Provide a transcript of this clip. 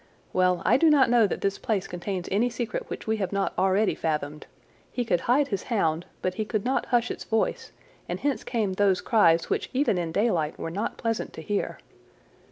Well, I do not know that this place contains any secret which we have not already fathomed. He could hide his hound, but he could not hush its voice, and hence came those cries which even in daylight were not pleasant to hear.